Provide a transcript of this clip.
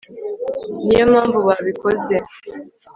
niyo mpamvu babikoze